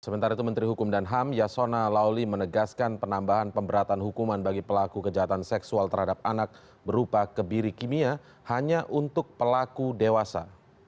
sementara itu menteri hukum dan ham yasona lauli menegaskan penambahan pemberatan hukuman bagi pelaku kejahatan seksual terhadap anak berupa kebiri kimia hanya untuk pelaku dewasa